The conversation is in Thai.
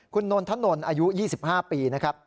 คุณนนทนนอายุ๒๕ปีนะครับ